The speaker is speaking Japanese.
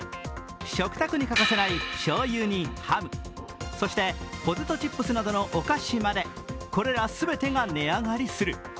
食卓に欠かせないしょうゆにハムそしてポテトチップスなどのお菓子までこれら全てが値上がりする。